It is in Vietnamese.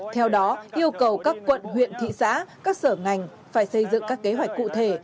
theo đó yêu cầu các quận huyện thị xã các sở ngành phải xây dựng các kế hoạch cụ thể